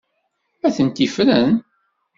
Atenti ffren.